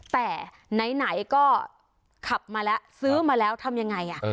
แต่ไหนก็ขับมาแล้วซื้อมาแล้วทำยังไง